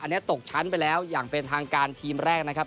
อันนี้ตกชั้นไปแล้วอย่างเป็นทางการทีมแรกนะครับ